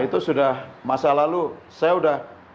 itu sudah masa lalu saya sudah